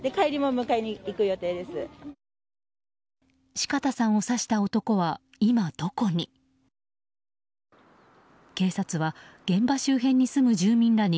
四方さんを刺した男は今どこに。